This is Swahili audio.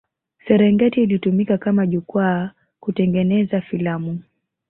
Serengeti ilitumika kama jukwaa kutengeneza filamu